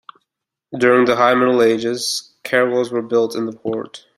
During the High Middle Ages caravels were built in the port.